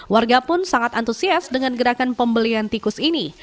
warga pun sangat antusias dengan gerakan pembelian tikus ini